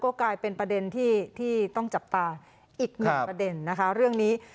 ก็กลายเป็นประเด็นที่ต้องจับตาอีกหนึ่งประเด็น